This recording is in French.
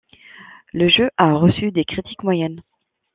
Le jeu a reçu des critiques moyennes.